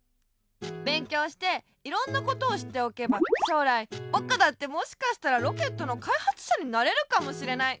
べんきょうしていろんなことをしっておけばしょうらいぼくだってもしかしたらロケットのかいはつしゃになれるかもしれない。